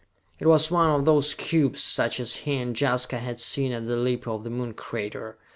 It was one of those cubes, such as he and Jaska had seen at the lip of the Moon crater!